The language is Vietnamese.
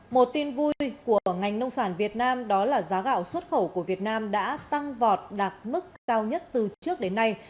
một tin vui của ngành nông sản việt nam đó là giá gạo xuất khẩu của việt nam đã tăng vọt đạt mức cao nhất từ trước đến nay